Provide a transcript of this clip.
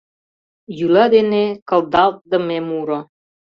ЙӰЛА ДЕНЕ КЫЛДАЛТДЫМЕ МУРО.